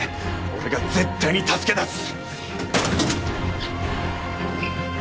俺が絶対に助け出す！